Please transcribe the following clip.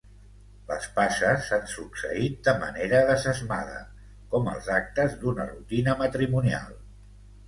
Les passes s'han succeït de manera desesmada, com els actes d'una rutina matrimonial.